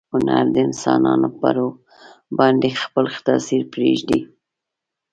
هنر د انسانانو په روح باندې خپل تاثیر پریږدي.